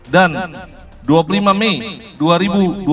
dan dua puluh lima mei dua ribu dua puluh empat